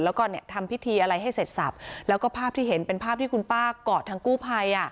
แล้วก็เนี่ยทำพิธีอะไรให้เสร็จสับแล้วก็ภาพที่เห็นเป็นภาพที่คุณป้ากอดทางกู้ภัย